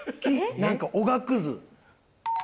なんかおがくず。